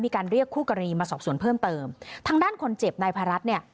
มีการเรียกคู่กรณีมาสอบสวนเพิ่มเติมทางด้านคนเจ็บนายพารัฐเนี่ย